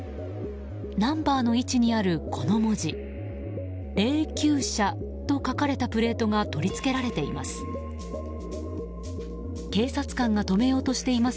ナンバーの位置にあるこの文字「霊柩車」と書かれたプレートが取り付けられています。